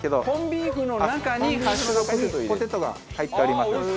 コンビーフの中にポテトが入っております。